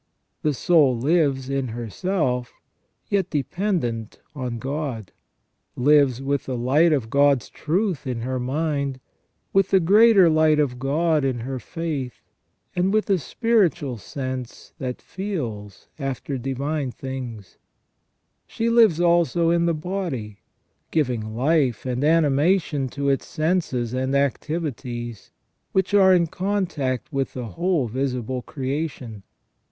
The soul lives in herself, yet dependent on God ; lives with the light of God's THE SECONDARY IMAGE OF GOD IN MAN. 67 truth in her mind, with the greater light of God in her faith, and with a spiritual sense that feels after divine things. She lives also in the body, giving life and animation to its senses and activities, which are in contact with the whole visible creation.